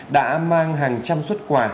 đã mang hàng trăm xuất quà